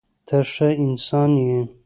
ته ښه انسان یې.